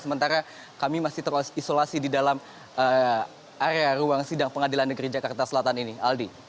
sementara kami masih terisolasi di dalam area ruang sidang pengadilan negeri jakarta selatan ini aldi